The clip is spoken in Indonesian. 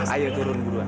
ayo turun buruan